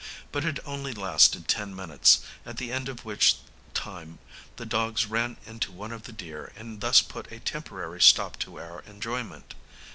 But it only lasted ten minutes, at the end of which time the dogs ran into one of the deer, and thus put a temporary stop to our enjoyment.